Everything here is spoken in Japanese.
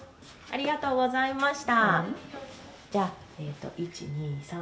ありがとうございます。